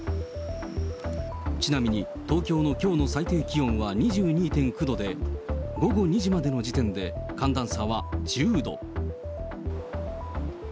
ちなみに東京のきょうの最低気温は２２．９度で、午後２時までの時点で寒暖差は１０度。